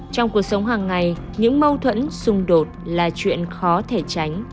trong cuộc sống hàng ngày những mâu thuẫn xung đột là chuyện khó thể tránh